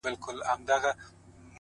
شپه په خندا ده؛ سهار حیران دی؛